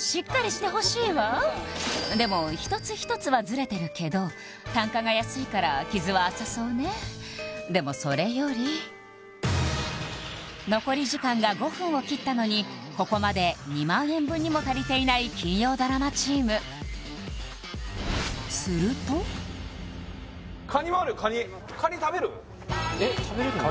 しっかりしてほしいわでも一つ一つはズレてるけど単価が安いから傷は浅そうねでもそれより残り時間が５分を切ったのにここまで２万円分にも足りていない金曜ドラマチームえっ食べれるんですか？